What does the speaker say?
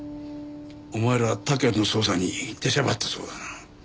お前ら他県の捜査に出しゃばったそうだな。